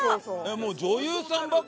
もう女優さんばっかじゃん。